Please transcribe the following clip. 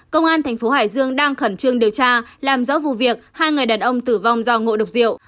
công an thành phố hải dương đang khẩn trương điều tra làm rõ vụ việc hai người đàn ông tử vong do ngộ độc rượu